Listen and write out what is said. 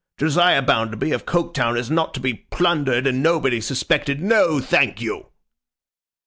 'Josiah Bounderby of Coketown is not to be plundered and nobody suspected. No, thank you!